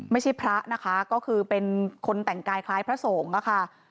ไม่ใช่พระนะคะก็คือเป็นคนแต่งกายคล้ายพระสงฆ์นะคะ